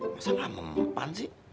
masa gak meman sih